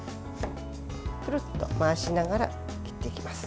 くるっと回しながら切っていきます。